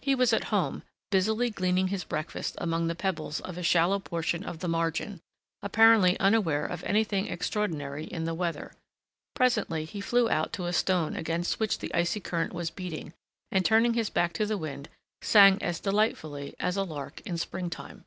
He was at home, busily gleaning his breakfast among the pebbles of a shallow portion of the margin, apparently unaware of anything extraordinary in the weather. Presently he flew out to a stone against which the icy current was beating, and turning his back to the wind, sang as delightfully as a lark in springtime.